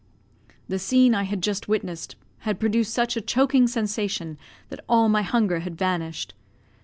The scene I had just witnessed had produced such a choking sensation that all my hunger had vanished.